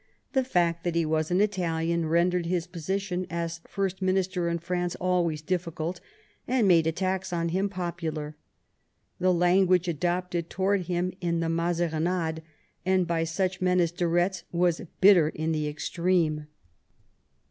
The fact that he was an Italian rendered his position as First Minister in France always difficulty and made attacks on him popular. The language adopted towards him in the Mazarinades and by such men as de Eetz was bitter in the extreme.